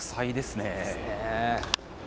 ですね。